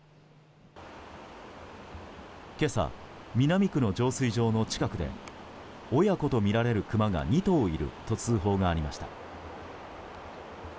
今朝、南区の浄水場の近くで親子とみられるクマが２頭いると通報がありました。